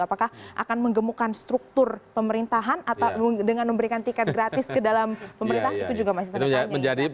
apakah akan menggemukan struktur pemerintahan atau dengan memberikan tiket gratis ke dalam pemerintahan itu juga masih sangat panjang